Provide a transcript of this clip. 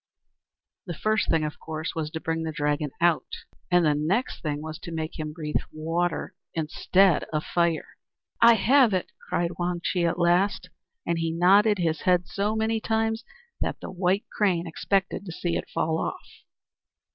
The first thing was, of course, to bring the Dragon out, and the next to make him breathe water instead of fire. "I have it!" cried Wang Chih at last; and he nodded his head so many times that the White Crane expected to see it fall off.